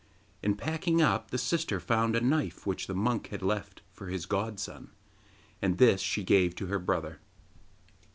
In packing up, the sister found a knife which the monk had left for his godson, and this she gave to her brother.